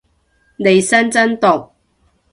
利申真毒